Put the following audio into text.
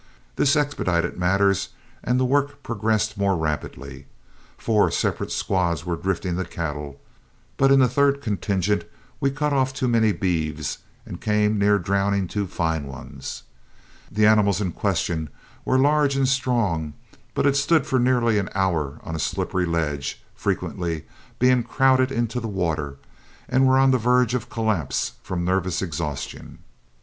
This expedited matters, and the work progressed more rapidly. Four separate squads were drifting the cattle, but in the third contingent we cut off too many beeves and came near drowning two fine ones. The animals in question were large and strong, but had stood for nearly an hour on a slippery ledge, frequently being crowded into the water, and were on the verge of collapse from nervous exhaustion.